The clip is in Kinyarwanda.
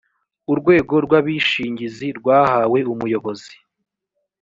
urwego rw’ abishingizi rwahawe umuyobozi